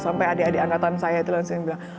sampai adik adik angkatan saya itu langsung bilang